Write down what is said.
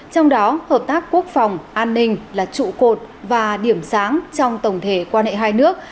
trong đó hợp tác quốc phòng an ninh là trụ cột và điểm sáng trong tổng thể quan hệ hai nước